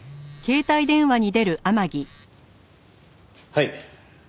はい。